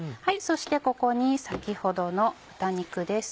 そしてここに先ほどの豚肉です。